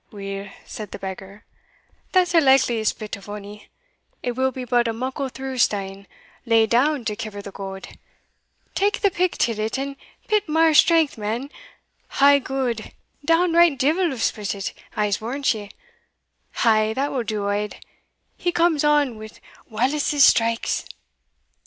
"Weel," said the beggar, "that's the likeliest bit of ony. It will be but a muckle through stane laid doun to kiver the gowd tak the pick till't, and pit mair strength, man ae gude down right devvel will split it, I'se warrant ye Ay, that will do Od, he comes on wi' Wallace's straiks!"